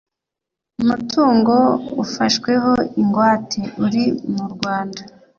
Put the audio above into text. umutungo ufashweho ingwate uri mu rwanda